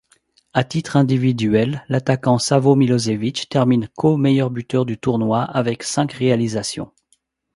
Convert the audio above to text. À titre individuel, l'attaquant Savo Milosević termine co-meilleur buteur du tournoi avec cinq réalisations.